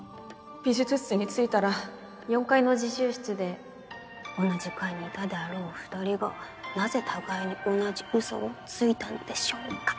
美術室に着いたら４階の自習室で同じ階にいたであろう２人がなぜ互いに同じウソをついたのでしょうか？